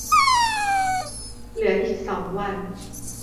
เหลืออีกสองวัน